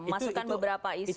masukkan beberapa isu